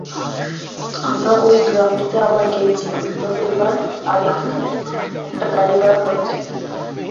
আমরা ঐ গ্রামটিতে আবার গিয়েছিলাম তবে এবার অ্যালেক একটা গাড়ি ভাড়া করেছিল।